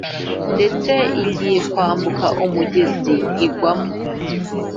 ndetse igiye kwambuka umugezi igwamo.